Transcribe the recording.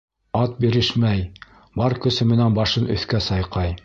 Ат бирешмәй, бар көсө менән башын өҫкә сайҡай.